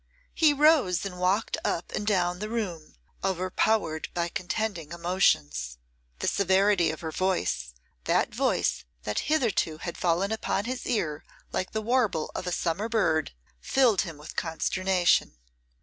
He rose and walked up and down the room, overpowered by contending emotions. The severity of her voice, that voice that hitherto had fallen upon his ear like the warble of a summer bird, filled him with consternation.